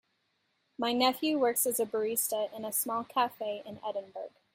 My nephew works as a barista in a small cafe in Edinburgh.